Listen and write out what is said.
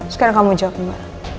sekarang kamu jawab juga